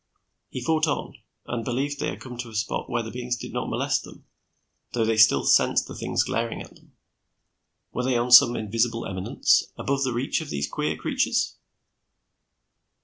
He fought on, and believed they had come to a spot where the beings did not molest them, though they still sensed the things glaring at them. Were they on some invisible eminence, above the reach of these queer creatures?